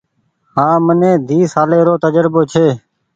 هآن مني ۮي سالي رو تجربو ڇي۔